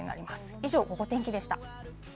以上、お天気でした。